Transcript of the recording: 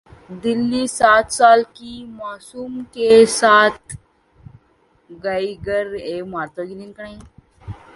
दिल्लीः सात साल की मासूम के साथ गैंगरेप, तीन गिरफ्तार